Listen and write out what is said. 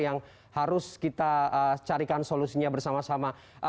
yang harus kita carikan solusinya bersama sama